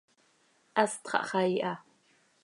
Hast xahxaii ha.